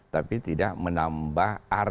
tapi tidak menambah arti